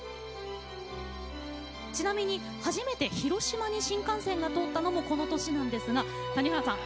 ちなみに初めて広島に新幹線が通ったのもこの年なんですが谷原さん